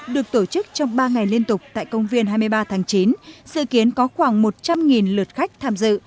được tổ chức trong ba ngày liên tục tại công viên hai mươi ba tháng chín sự kiến có khoảng một trăm linh lượt khách tham dự